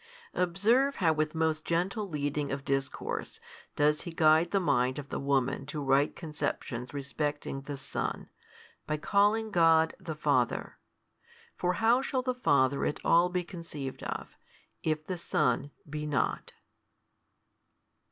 Observe how with most gentle leading of discourse, does He guide the mind of the woman to right conceptions respecting the Son, by calling God the Father. For how shall the Father at all be conceived of, if the Son be not?